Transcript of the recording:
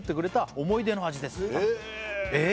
「思い出の味です」へええ